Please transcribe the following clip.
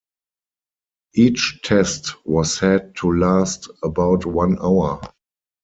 Each test was said to last about one hour.